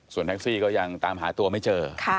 ส่วนแท็กซี่ก็ยังตามหาตัวไม่เจอ